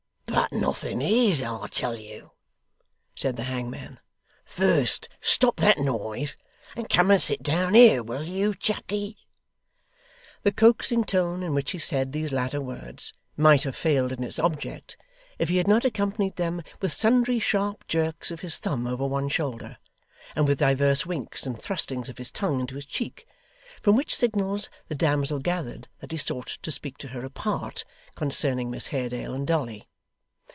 'But nothing is, I tell you,' said the hangman. 'First stop that noise and come and sit down here, will you, chuckey?' The coaxing tone in which he said these latter words might have failed in its object, if he had not accompanied them with sundry sharp jerks of his thumb over one shoulder, and with divers winks and thrustings of his tongue into his cheek, from which signals the damsel gathered that he sought to speak to her apart, concerning Miss Haredale and Dolly.